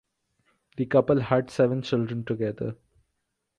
The couple had seven children together.